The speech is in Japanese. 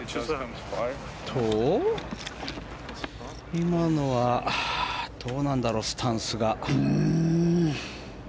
今のはどうなんだろうスタンスが。